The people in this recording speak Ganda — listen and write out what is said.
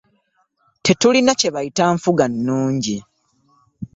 Tetulina kye bayita nfuga nnungi.